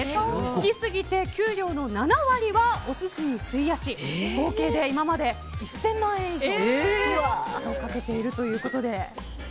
好きすぎて給料の７割はお寿司に費やし合計で今まで１０００万円以上をかけているということで。